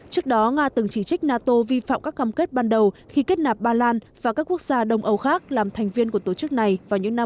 trước đó nga từng chỉ trích nato vi phạm các cam kết ban đầu khi kết nạp ba lan và các quốc gia đông âu khác làm thành viên của tổ chức này vào những năm một nghìn chín trăm chín mươi